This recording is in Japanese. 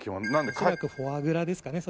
恐らくフォアグラですかね